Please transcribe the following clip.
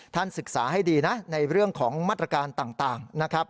ศึกษาให้ดีนะในเรื่องของมาตรการต่างนะครับ